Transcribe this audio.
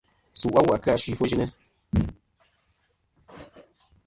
Su awu a kɨ-a ɨ suy ɨfwoyɨnɨ.